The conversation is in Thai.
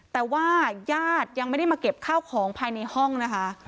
แต่ว่าญาติยังไม่ได้มาเก็บข้าวของภายในห้องนะคะ